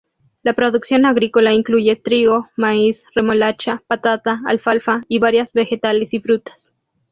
La producción agrícola incluye trigo, maíz, remolacha, patata, alfalfa, y varias vegetales y frutas.